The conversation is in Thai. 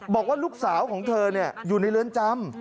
บอกว่าลูกสาวของเธออยู่ในเรือนจำ